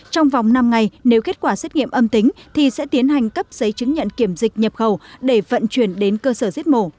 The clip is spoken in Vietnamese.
trong vòng năm ngày nếu kết quả xét nghiệm âm tính thì sẽ tiến hành cấp giấy chứng nhận kiểm dịch nhập khẩu để vận chuyển đến cơ sở giết mổ